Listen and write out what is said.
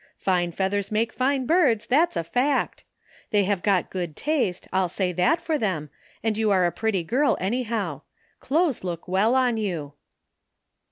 ' Fine feathers make fine birds,' that's a fact. They have got good taste, I'll say that for them, and you are a pretty girl, anyhow. Clothes look well on you."